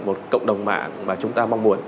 một cộng đồng mạng mà chúng ta mong muốn